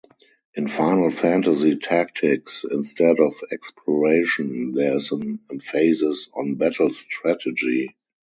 In "Final Fantasy Tactics", instead of exploration, there is an emphasis on battle strategy.